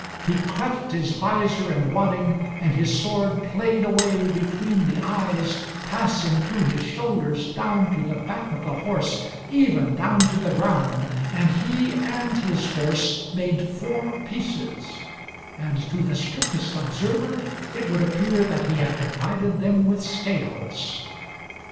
He cleft his visor and wadding, and his sword played away between the eyes, passing through his shoulders down to the back of the horse, even down to the ground; and he and his horse made four pieces; and to the strictest observer, it would appear that he had divided them with scales.